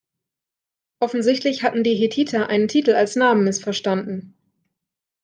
Offensichtlich hatten die Hethiter einen Titel als Namen missverstanden.